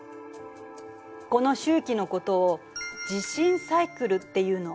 この周期のことを「地震サイクル」っていうの。